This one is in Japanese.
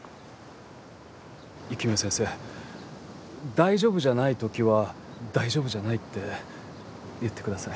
大丈夫じゃない時は大丈夫じゃないって言ってください。